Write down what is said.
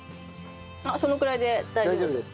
そのぐらいで大丈夫です。